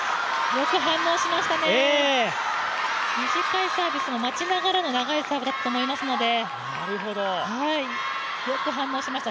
よく反応しましたね、短いサービスを待ちながらの長いサーブだったと思いますので、よく反応しました。